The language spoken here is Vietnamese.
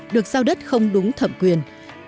hai được giao đất không đúng thẩm quyền